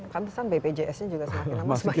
kan pesan bpjs nya juga semakin lama semakin